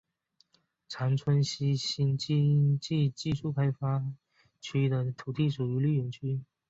长春西新经济技术开发区的土地属于绿园区。